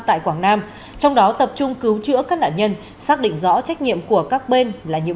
tại quảng nam trong đó tập trung cứu chữa các nạn nhân xác định rõ trách nhiệm của các bên là những